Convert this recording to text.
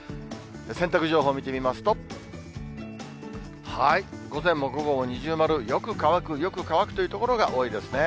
洗濯情報見てみますと、午前も午後も二重丸、よく乾く、よく乾くという所が多いですね。